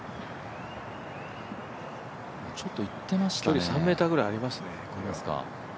距離３ｍぐらいありますね。